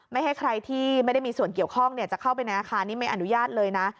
ไม่ให้ใครที่ไม่ได้มีส่วนเกี่ยวข้องจะเข้าไปในอาคารนี้ไม่อนุญาตเลยนะ